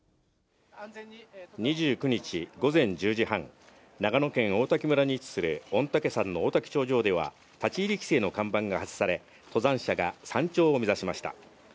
２９日午前１０時半、長野県王滝村に位置する御嶽山の王滝頂上では、立ち入り規制の看板が外され、登山者が山頂を目指しました。